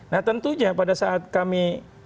nah tentunya pada saat kami